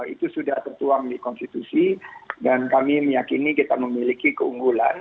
itu sudah tertuang di konstitusi dan kami meyakini kita memiliki keunggulan